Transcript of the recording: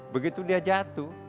begitu dia jatuh